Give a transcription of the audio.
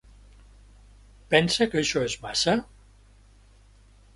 Pensa que això és massa?